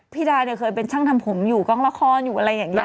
ดาเนี่ยเคยเป็นช่างทำผมอยู่กล้องละครอยู่อะไรอย่างนี้